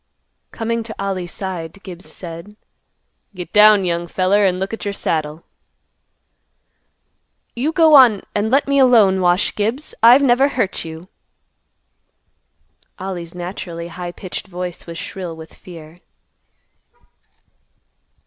Coming to Ollie's side, Gibbs said, "Git down, young feller, an' look at yer saddle." "You go on, and let me alone, Wash Gibbs. I've never hurt you." Ollie's naturally high pitched voice was shrill with fear.